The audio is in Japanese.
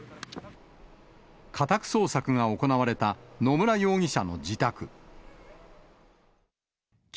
家宅捜索が行われた野村容疑者の自宅。